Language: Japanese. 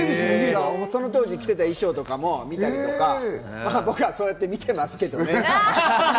その当時、着ていた衣装とかも見たり、僕はそうやって見てますけどね。